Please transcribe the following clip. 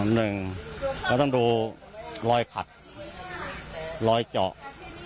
เราต้องดูรอยขัดรอยเจาะ